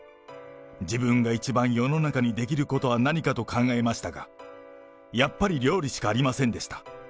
自分が一番世の中にできることは何かと考えましたが、やっぱり料理しかありませんでした。